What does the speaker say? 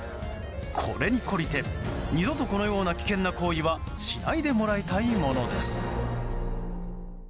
これに懲りて二度とこのような危険な行為はしないでもらいたいものです。